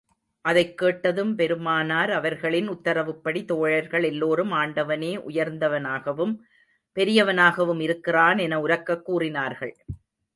அதைக் கேட்டதும் பெருமானார் அவர்களின் உத்தரவுப்படி தோழர்கள் எல்லோரும் ஆண்டவனே உயர்ந்தவனாகவும், பெரியவனாகவும் இருக்கின்றான் என உரக்கக் கூறினார்கள்.